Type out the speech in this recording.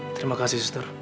terima kasih suster